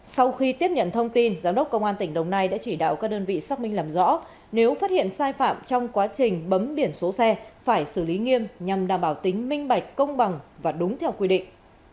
sau khi tiếp nhận thông tin giám đốc công an tỉnh đồng nai đã chỉ đạo các đơn vị xác minh làm rõ nếu phát hiện sai phạm trong quá trình bấm biển số xe phải xử lý nghiêm nhằm đảm bảo tính minh bạch công bằng và đúng theo quy định